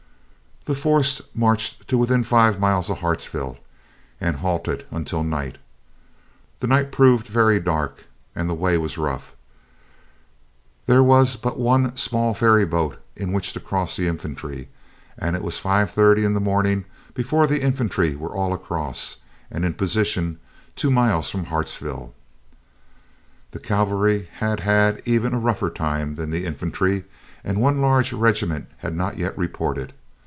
The force marched to within five miles of Hartsville, and halted until night. The night proved very dark, and the way was rough. There was but one small ferry boat in which to cross the infantry, and it was 5:30 in the morning before the infantry were all across, and in position two miles from Hartsville. The cavalry had had even a rougher time than the infantry, and one large regiment had not yet reported.